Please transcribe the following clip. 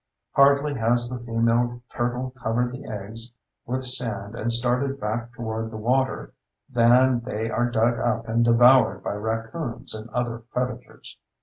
Hardly has the female turtle covered the eggs with sand and started back toward the water, than they are dug up and devoured by raccoons and other predators.